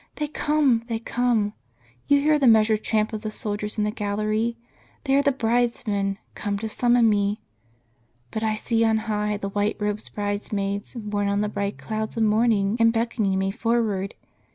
" They come, they come ! You hear the measured tramp of the sol diers in the gallery. They are the bridesmen coming to sum mon me. But I see on high the white robed bridesmaids borne on the bright clouds of morning, and beckoning me for ward.